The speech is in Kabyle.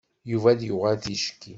Yuba ad d-yuɣal ticki.